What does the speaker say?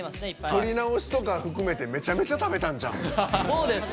撮りなおしとか含めてめちゃめちゃ食べたんちゃう？